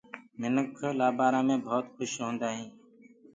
منک لآبآرآ مي ڀوت کوُش هوندآ هينٚ۔